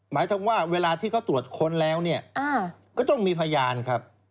หมายถึงว่าเวลาที่เขาตรวจค้นแล้วเนี่ยก็ต้องมีพยานครับ